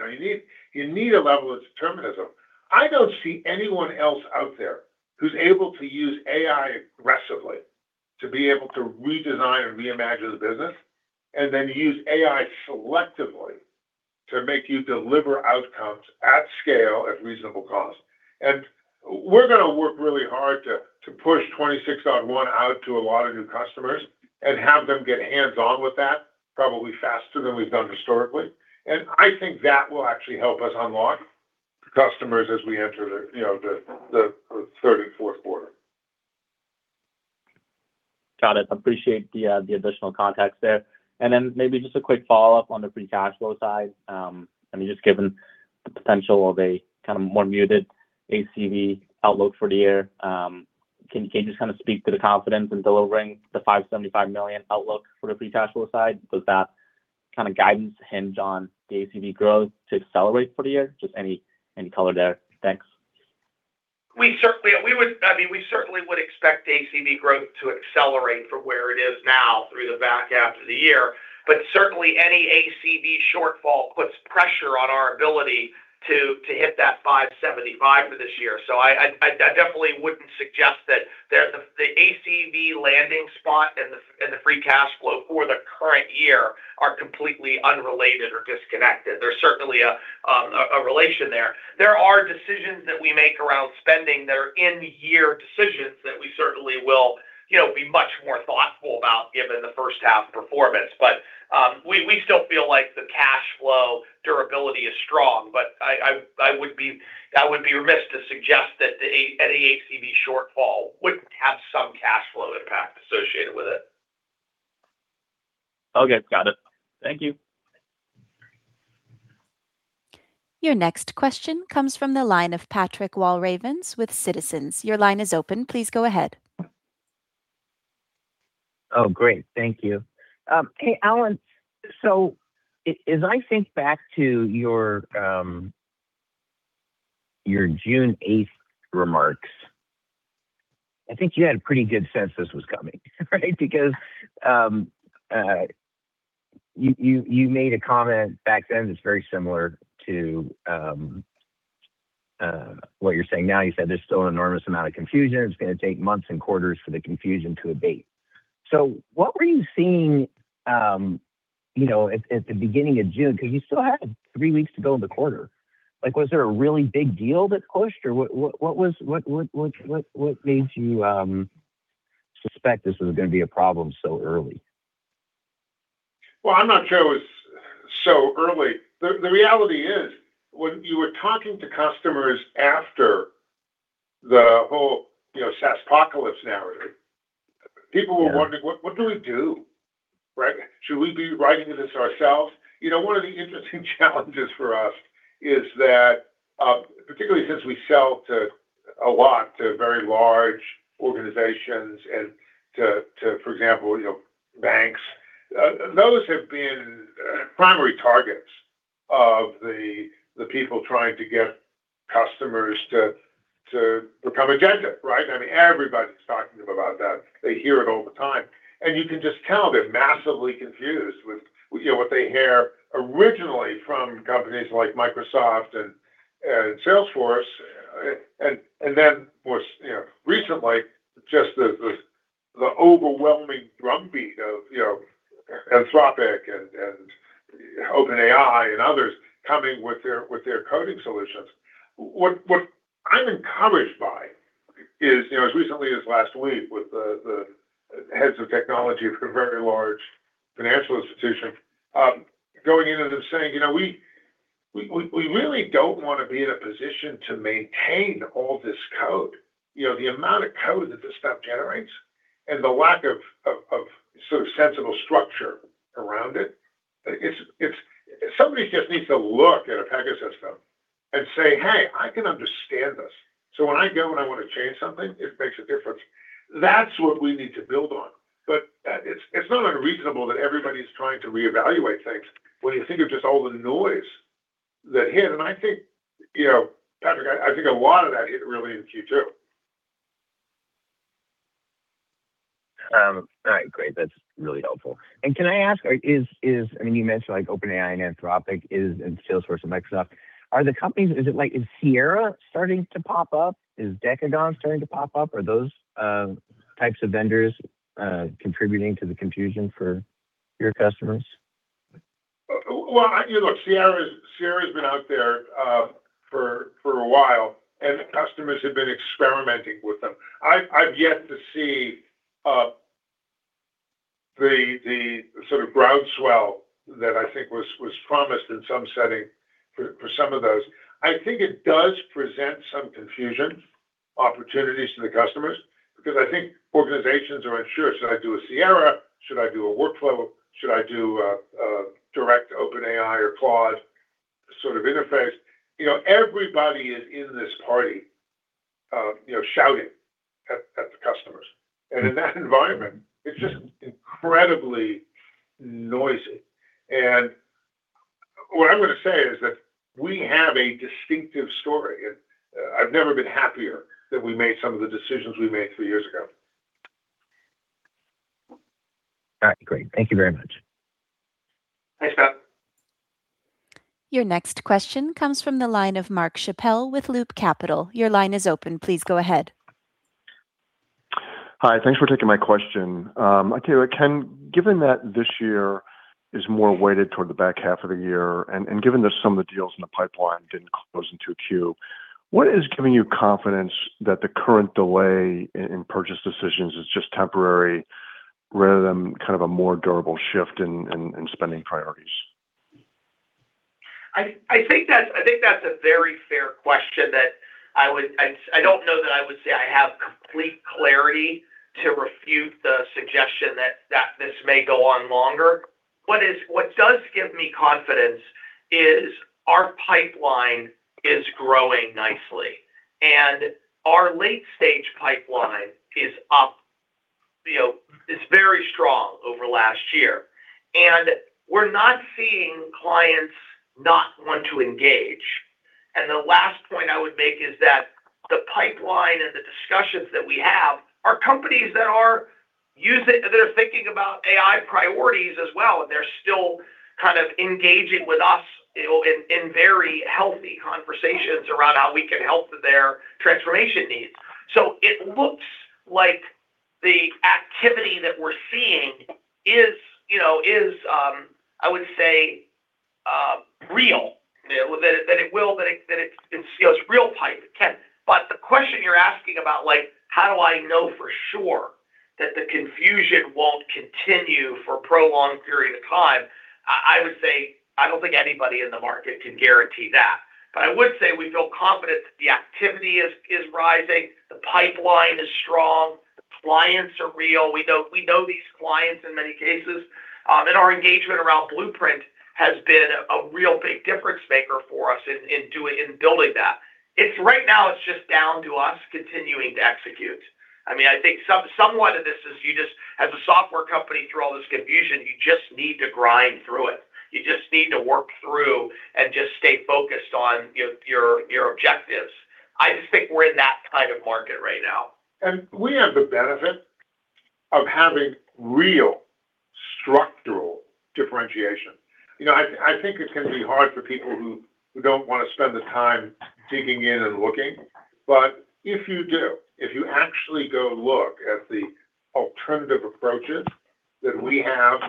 You need a level of determinism. I don't see anyone else out there who's able to use AI aggressively to be able to redesign and reimagine the business, and then use AI selectively to make you deliver outcomes at scale at reasonable cost. We're going to work really hard to push 26.1 out to a lot of new customers and have them get hands-on with that probably faster than we've done historically. I think that will actually help us unlock customers as we enter the third and fourth quarter. Got it. Appreciate the additional context there. Maybe just a quick follow-up on the free cash flow side. Given the potential of a more muted ACV outlook for the year, can you speak to the confidence in delivering the $575 million outlook for the free cash flow side? Does that guidance hinge on the ACV growth to accelerate for the year? Just any color there. Thanks. We certainly would expect ACV growth to accelerate from where it is now through the back half of the year. Certainly any ACV shortfall puts pressure on our ability to hit that $575 for this year. I definitely wouldn't suggest that the ACV landing spot and the free cash flow for the current year are completely unrelated or disconnected. There's certainly a relation there. There are decisions that we make around spending that are in-year decisions that we certainly will be much more thoughtful about given the first half performance. We still feel like the cash flow durability is strong, but I would be remiss to suggest that any ACV shortfall wouldn't have some cash flow impact associated with it. Okay. Got it. Thank you. Your next question comes from the line of Patrick Walravens with Citizens. Your line is open. Please go ahead. Oh, great. Thank you. Hey, Alan. As I think back to your June 8th remarks, I think you had a pretty good sense this was coming, right? Because you made a comment back then that's very similar to what you're saying now. You said there's still an enormous amount of confusion. It's going to take months and quarters for the confusion to abate. What were you seeing at the beginning of June, because you still had three weeks to go in the quarter? Was there a really big deal that pushed, or what made you suspect this was going to be a problem so early? Well, I'm not sure it was so early. The reality is, when you were talking to customers after the whole SaaS Apocalypse narrative, people were wondering, what do we do, right? Should we be writing this ourselves? One of the interesting challenges for us is that, particularly since we sell a lot to very large organizations and to, for example, banks. Those have been primary targets of the people trying to get customers to become agentic, right? Everybody's talking to them about that. They hear it all the time. You can just tell they're massively confused with what they hear originally from companies like Microsoft and Salesforce, then most recently, just the overwhelming drumbeat of Anthropic and OpenAI and others coming with their coding solutions. What I'm encouraged by is, as recently as last week with the heads of technology of a very large financial institution, going in and them saying, we really don't want to be in a position to maintain all this code. The amount of code that this stuff generates and the lack of sensible structure around it. Somebody just needs to look at a Pegasystems and say, hey, I can understand this. When I go and I want to change something, it makes a difference. That's what we need to build on. It's not unreasonable that everybody's trying to reevaluate things when you think of just all the noise that hit. Patrick, I think a lot of that hit really in Q2. All right, great. That's really helpful. Can I ask, you mentioned OpenAI and Anthropic is, and Salesforce and Microsoft. Is Sierra starting to pop up? Is Decagon starting to pop up? Are those types of vendors contributing to the confusion for your customers? Well, look, Sierra's been out there for a while, and customers have been experimenting with them. I've yet to see the sort of groundswell that I think was promised in some setting for some of those. I think it does present some confusion opportunities to the customers because I think organizations are unsure. Should I do a Sierra? Should I do a workflow? Should I do a direct OpenAI or Claude sort of interface? Everybody is in this party, shouting at the customers. In that environment, it's just incredibly noisy. What I'm going to say is that we have a distinctive story, and I've never been happier that we made some of the decisions we made three years ago. All right, great. Thank you very much. Thanks, Pat. Your next question comes from the line of Mark Schappel with Loop Capital. Your line is open. Please go ahead. Hi, thanks for taking my question. Ken, given that this year is more weighted toward the back half of the year, given that some of the deals in the pipeline didn't close into a Q, what is giving you confidence that the current delay in purchase decisions is just temporary rather than kind of a more durable shift in spending priorities? I think that's a very fair question that I don't know that I would say I have complete clarity to refute the suggestion that this may go on longer. What does give me confidence is our pipeline is growing nicely, our late-stage pipeline is very strong over last year. We're not seeing clients not want to engage. The last point I would make is that the pipeline and the discussions that we have are companies that are thinking about AI priorities as well, they're still kind of engaging with us in very healthy conversations around how we can help their transformation needs. It looks like the activity that we're seeing is, I would say, real. That it scales real pipe. The question you're asking about how do I know for sure that the confusion won't continue for a prolonged period of time, I would say, I don't think anybody in the market can guarantee that. I would say we feel confident that the activity is rising, the pipeline is strong. Clients are real. We know these clients in many cases, our engagement around Pega Blueprint has been a real big difference maker for us in building that. Right now it's just down to us continuing to execute. I think somewhat of this is you just, as a software company through all this confusion, you just need to grind through it. You just need to work through and just stay focused on your objectives. I just think we're in that kind of market right now. We have the benefit of having real structural differentiation. I think it can be hard for people who don't want to spend the time digging in and looking. If you do, if you actually go look at the alternative approaches that we have,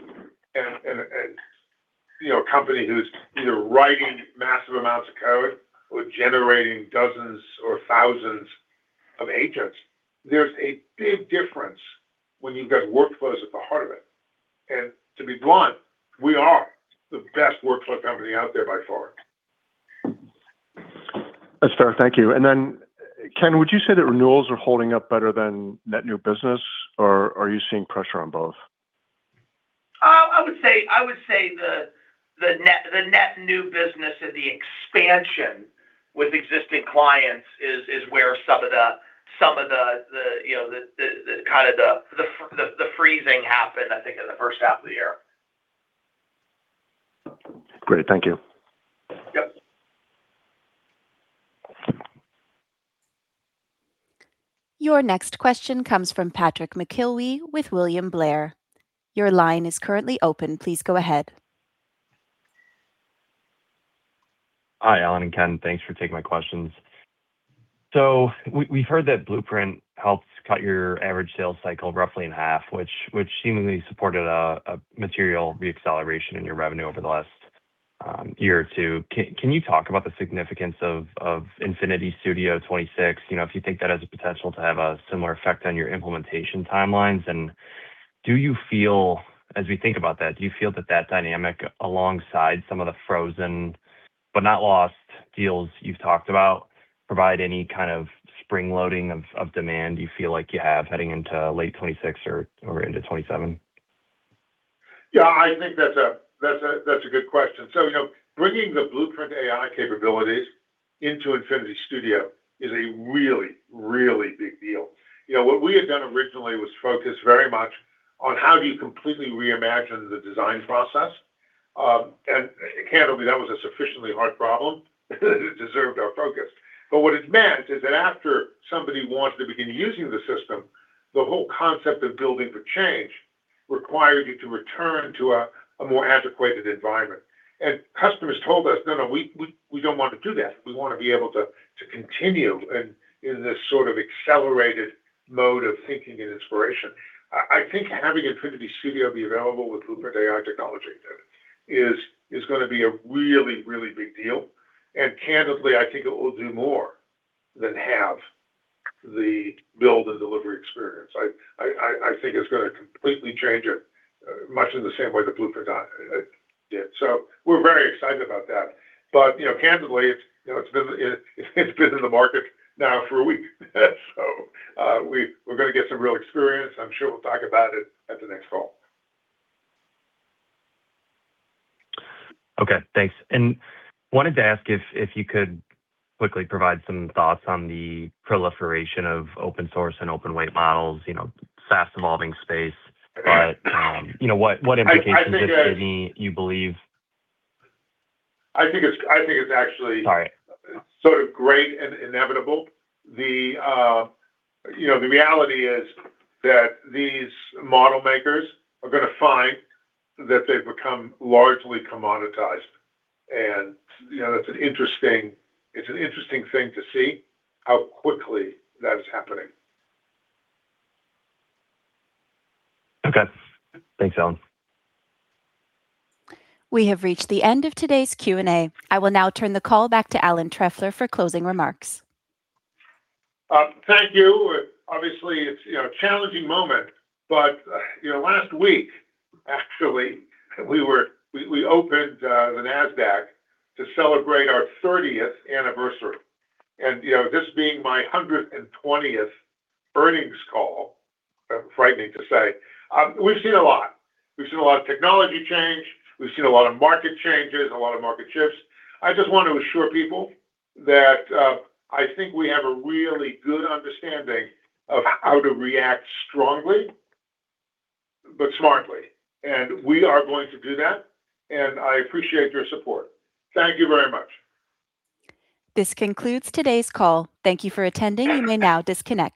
a company who's either writing massive amounts of code or generating dozens or thousands of agents, there's a big difference when you've got workflows at the heart of it. To be blunt, we are the best workflow company out there by far. That's fair. Thank you. Ken, would you say that renewals are holding up better than net new business or are you seeing pressure on both? I would say the net new business and the expansion with existing clients is where some of the freezing happened, I think in the first half of the year. Great. Thank you. Your next question comes from Patrick McIlwee with William Blair. Your line is currently open. Please go ahead. Hi, Alan and Ken. Thanks for taking my questions. We've heard that Pega Blueprint helped cut your average sales cycle roughly in half, which seemingly supported a material re-acceleration in your revenue over the last year or two. Can you talk about the significance of Pega Infinity Studio 2026? If you think that has a potential to have a similar effect on your implementation timelines. As we think about that, do you feel that dynamic alongside some of the frozen but not lost deals you've talked about provide any kind of spring loading of demand you feel like you have heading into late 2026 or into 2027? Yeah, I think that's a good question. Bringing the Pega Blueprint AI capabilities into Pega Infinity Studio is a really, really big deal. What we had done originally was focus very much on how do you completely reimagine the design process. Candidly, that was a sufficiently hard problem that deserved our focus. What it meant is that after somebody wants to begin using the system, the whole concept of building for change required you to return to a more antiquated environment. Customers told us, No, no, we don't want to do that. We want to be able to continue in this sort of accelerated mode of thinking and inspiration. I think having Pega Infinity Studio be available with Pega Blueprint AI technology is going to be a really, really big deal, and candidly, I think it will do more than have the build and delivery experience. I think it's going to completely change it, much in the same way that Pega Blueprint did. We're very excited about that. Candidly, it's been in the market now for a week, we're going to get some real experience. I'm sure we'll talk about it at the next call. Okay, thanks. Wanted to ask if you could quickly provide some thoughts on the proliferation of open source and open weight models, fast evolving space. Okay. What implications, if any, you believe- I think it's actually- Sorry. Sort of great and inevitable. The reality is that these model makers are going to find that they've become largely commoditized. It's an interesting thing to see how quickly that is happening. Okay. Thanks, Alan. We have reached the end of today's Q&A. I will now turn the call back to Alan Trefler for closing remarks. Thank you. Obviously it's a challenging moment, but last week actually, we opened the NASDAQ to celebrate our 30th anniversary. This being my 120th earnings call, frightening to say, we've seen a lot. We've seen a lot of technology change, we've seen a lot of market changes, a lot of market shifts. I just want to assure people that I think we have a really good understanding of how to react strongly but smartly, and we are going to do that, and I appreciate your support. Thank you very much. This concludes today's call. Thank you for attending and you may now disconnect.